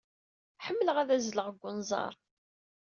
Ḥemmleɣ ad azzleɣ deg unẓar.